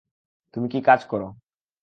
তুমি কি কাজ করো?